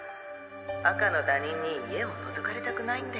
赤の他人に家を覗かれたくないんで。